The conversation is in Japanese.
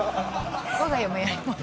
我が家もやります